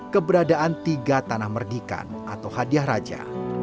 keberadaan tiga tanah merdikan atau hadiah raja